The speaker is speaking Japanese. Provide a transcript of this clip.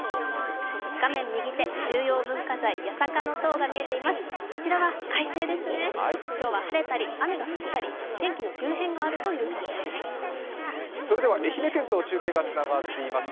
画面右手、重要文化財八坂の塔が見えています。